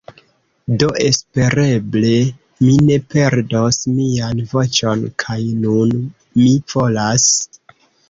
Do espereble mi ne perdos mian voĉon kaj nun mi volas...